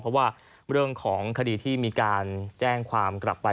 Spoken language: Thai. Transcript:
เพราะว่าเรื่องของคดีที่มีการแจ้งความกลับไป